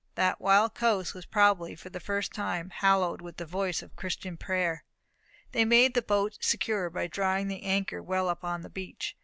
That wild coast was probably for the first time hallowed with the voice of Christian prayer. They made the boat secure by drawing the anchor well upon the beach.